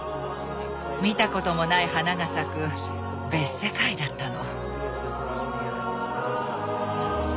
見たこともない花が咲く別世界だったの。